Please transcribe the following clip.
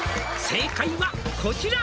「正解はこちら」